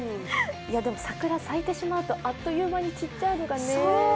でも桜は咲いてしまうとあっという間に散っちゃうのがね。